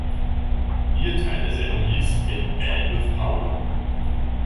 Ihr Teil der Sendung hieß "In Bed With Paula".